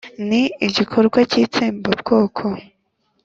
ni igikorwa cy'itsembabwoko